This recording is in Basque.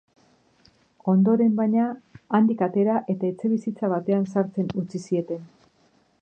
Ondoren, baina, handik atera eta etxebizitza batean sartzen utzi zieten.